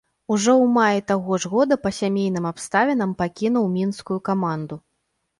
Ужо ў маі таго ж года па сямейным абставінам пакінуў мінскую каманду.